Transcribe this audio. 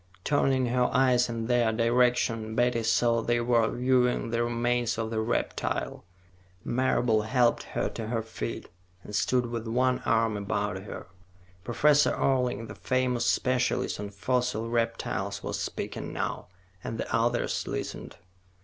Turning her eyes in their direction, Betty saw they were viewing the remains of the reptile. Marable helped her to her feet, and stood with one arm about her. Professor Orling, the famous specialist on fossil reptiles, was speaking now, and the others listened.